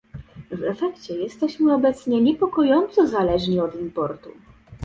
W efekcie jesteśmy obecnie niepokojąco zależni od importu